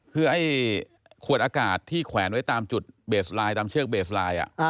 คือไอ้ขวดอากาศที่แขวนไว้ตามจุดเบสไลน์ตามเชือกเบสไลน์